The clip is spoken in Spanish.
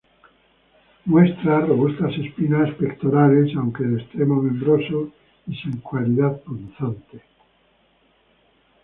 Muestra robustas espinas pectorales, aunque de extremo membranoso y sin cualidad punzante.